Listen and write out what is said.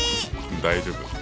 大丈夫。